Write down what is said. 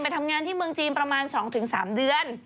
ทำงานที่เมืองจีนประมาณ๒๓เดือน